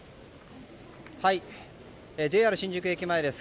ＪＲ新宿駅前です。